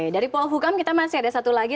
dari polhukam kita masih ada satu lagi